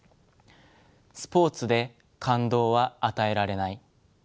「スポーツで感動は与えられない」。